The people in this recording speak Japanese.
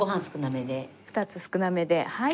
２つ少なめではい。